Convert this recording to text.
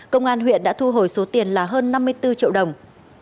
công an huyện đã thu hồi số tiền là hơn năm mươi bốn triệu đồng